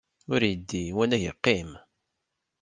Ur yeddi, wanag yeqqim.